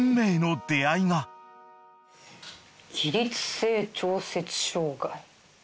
起立性調節障害。